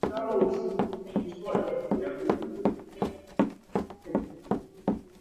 Ule muhuri wa tatu katika barua ya Daisy ulikuwa umefutika hivyo akashindwa kufahamu sehemu